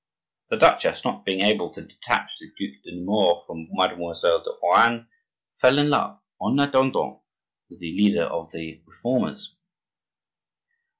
The duchess, not being able to detach the Duc de Nemours from Mademoiselle de Rohan, fell in love, en attendant, with the leader of the Reformers.